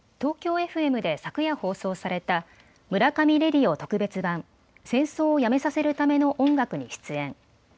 ＴＯＫＹＯＦＭで昨夜、放送された村上ＲＡＤＩＯ特別版戦争をやめさせるための音楽に出演。